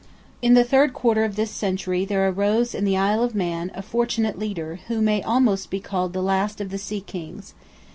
In the third quarter of this century there arose in the Isle of Man a fortunate leader, who may almost be called the last of the sea kings.